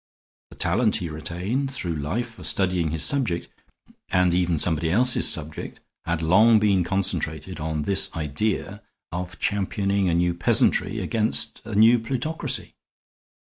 The talent he retained through life for studying his subject, and even somebody else's subject, had long been concentrated on this idea of championing a new peasantry against a new plutocracy.